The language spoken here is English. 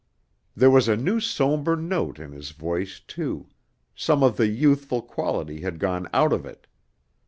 There was a new somber note in his voice, too some of the youthful quality had gone out of it.